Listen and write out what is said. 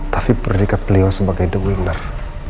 tapi predikat beliau sebagai the winner